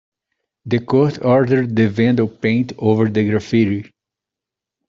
The court ordered the vandal paint over the graffiti.